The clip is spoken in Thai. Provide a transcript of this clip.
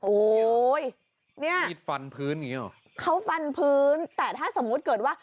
โอ้โหเนี่ยมีดฟันพื้นอย่างเงี้หรอเขาฟันพื้นแต่ถ้าสมมุติเกิดว่า